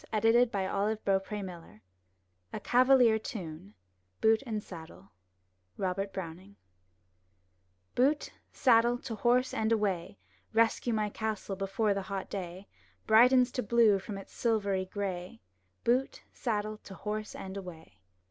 — Abridged 313 M Y BOOK HOUSE A CAVALIER TUNE Boot and Saddle Robert Browning Boot, saddle, to horse, and away! Rescue my castle before the hot day Brightens to blue from its silvery gray! Booty saddle, to horse, and away!